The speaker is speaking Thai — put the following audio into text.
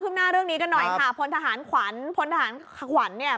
หน้าเรื่องนี้กันหน่อยค่ะพลทหารขวัญพลทหารขวัญเนี่ย